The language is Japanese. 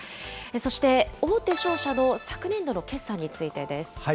そして、大手商社の昨年度の決算についてです。